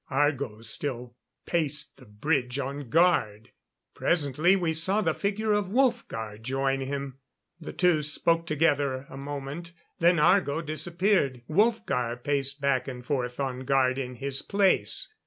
Argo still paced the bridge on guard. Presently we saw the figure of Wolfgar join him. The two spoke together a moment; then Argo disappeared; Wolfgar paced back and forth on guard in his place.